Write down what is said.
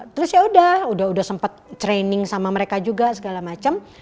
terus ya udah udah sempat training sama mereka juga segala macam